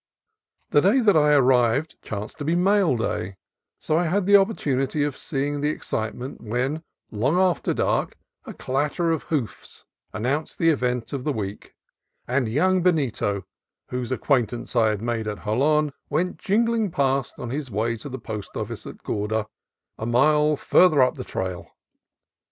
The day that I arrived chanced to be mail day, so I had the THE WEEKLY MAIL 193 opportunity of seeing the excitement when, long after dark, a clatter of hoofs announced the event of the week, and young Benito, whose acquaintance I had made at Jolon, went jingling past on his way to the post office at Gorda, a mile farther up the trail.